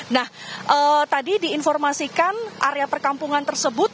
nah tadi diinformasikan area perkampungan tersebut